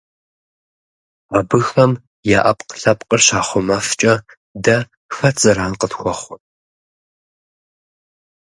Абыхэм я Ӏэпкълъэпкъыр щахъумэфкӀэ, дэ хэт зэран къытхуэхъур?